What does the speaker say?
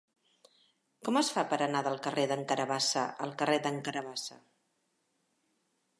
Com es fa per anar del carrer d'en Carabassa al carrer d'en Carabassa?